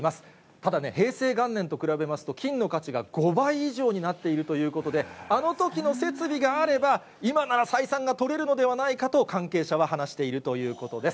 ただね、平成元年と比べますと、金の価値が５倍以上になっているということで、あのときの設備があれば、今なら採算が取れるのではないかと関係者は話しているということです。